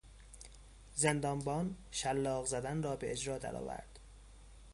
زندانبان شلاق زدن را به اجرا درآورد.